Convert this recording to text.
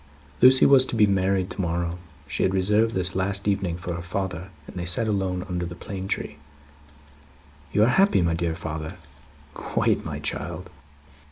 Lucie was to be married to morrow. She had reserved this last evening for her father, and they sat alone under the plane tree. "You are happy, my dear father?" "Quite, my child."